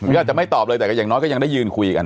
ก็อาจจะไม่ตอบเลยแต่ก็อย่างน้อยก็ยังได้ยืนคุยกัน